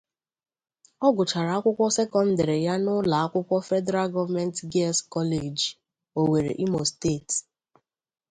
Ọ́ gụchara akwụkwọ sekọ́ndị̀rị̀ ya na ụlọ akwụkwọ Federal Government Girls 'College, Owerri Imo State.